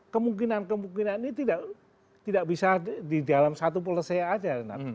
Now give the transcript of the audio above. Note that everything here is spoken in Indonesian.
kemungkinan kemungkinan ini tidak bisa di dalam satu polese aja